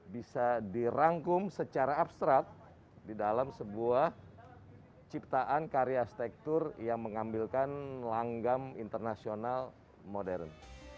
bisa dirangkum secara abstrak di dalam sebuah ciptaan karya stektur yang mengambilkan langgam internasional modern